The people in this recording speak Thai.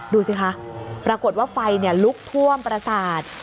ดูสิคะปรากฏว่าไฟลุกท่วมประสาท